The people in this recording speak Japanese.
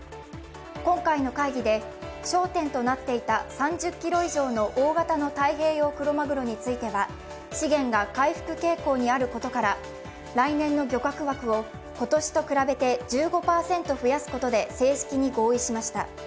今回の会議で焦点となっていた３０ｋｇ以上の大型の太平洋クロマグロについては、資源が回復傾向にあることから来年の漁獲枠を今年と比べて１５％増やすことで正式に合意しました。